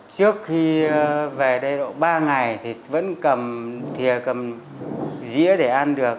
trước khi về đây độ ba ngày thì vẫn cầm thì cầm dĩa để ăn được